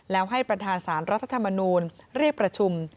แล้วให้ประธานสารรัฐธรรมนูลเรียกประชุม